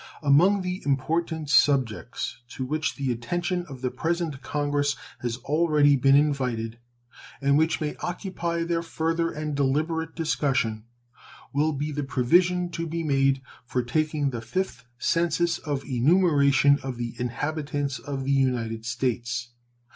Among the important subjects to which the attention of the present Congress has already been invited, and which may occupy their further and deliberate discussion, will be the provision to be made for taking the 5th census of enumeration of the inhabitants of the United States.